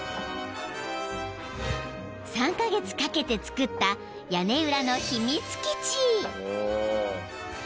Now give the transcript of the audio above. ［３カ月かけて作った屋根裏の秘密基地］